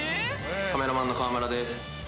カメラマンの川村です